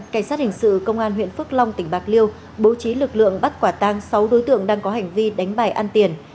cảnh sát hình sự công an huyện phước long tỉnh bạc liêu bố trí lực lượng bắt quả tang sáu đối tượng đang có hành vi đánh bài ăn tiền